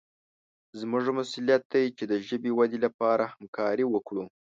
زموږ مسوولیت دی چې د ژبې ودې لپاره همکاري وکړو.